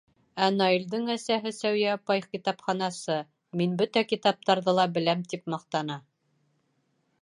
Ә Наилдың әсәһе Сәүиә апай китапханасы, мин бөтә китаптарҙы ла беләм, тип маҡтана.